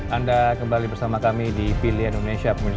anda kembali bersama kami di pilih indonesia